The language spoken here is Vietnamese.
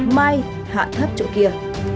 mai hạ thấp chỗ kia